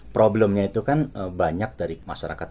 problemnya itu kan banyak dari masyarakat